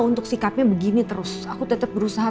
untuk sikapnya begini terus aku tetap berusaha